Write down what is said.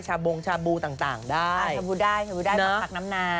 ชาบงชาบูต่างได้ชาบูได้ชาบูได้ปักผักน้ำ